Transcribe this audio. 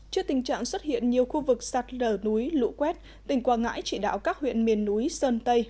trước tình trạng xuất hiện nhiều khu vực sạt lở núi lũ quét tỉnh quảng ngãi chỉ đạo các huyện miền núi sơn tây